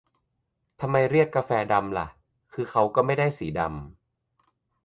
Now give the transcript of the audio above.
ทำไมเรียกกาแฟดำล่ะ คือเค้าก็ไม่ได้สีดำ